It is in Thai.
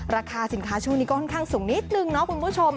ราคาสินค้าช่วงนี้ก็ค่อนข้างสูงนิดนึงเนาะคุณผู้ชม